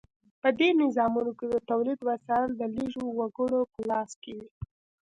په دې نظامونو کې د تولید وسایل د لږو وګړو په لاس کې وي.